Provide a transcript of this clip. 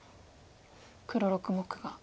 黒６目が。